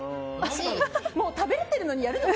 もう食べれてるのにやるの？